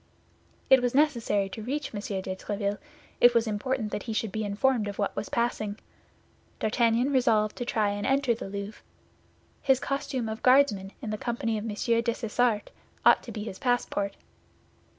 It was necessary to reach M. de Tréville; it was important that he should be informed of what was passing. D'Artagnan resolved to try and enter the Louvre. His costume of Guardsman in the company of M. Dessessart ought to be his passport.